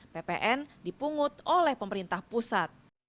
ppn dipungut oleh pemerintah pusat